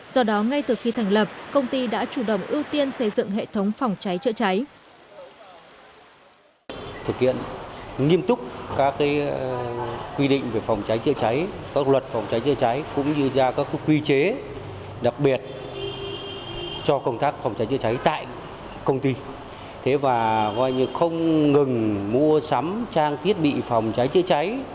do đó ngay từ khi thành lập công ty đã chủ động ưu tiên xây dựng hệ thống phòng cháy chữa cháy